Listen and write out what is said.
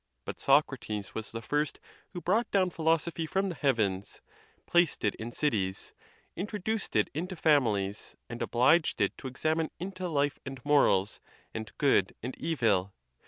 But Socrates was the first who brought down philosophy from the heavens, placed it in cities, introduced it into families, and obliged it to examine into life and morals, and good and evil.